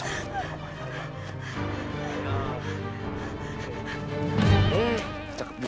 ya aku mau ke pasar cihidung